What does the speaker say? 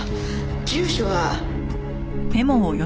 住所は。